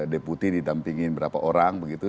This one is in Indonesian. deputi ditampingin berapa orang begitu